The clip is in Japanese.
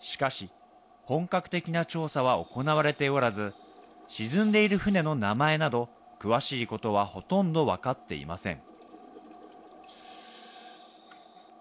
しかし、本格的な調査は行われておらず、沈んでいる船の名前など、詳しいことはほとんど分かっていません。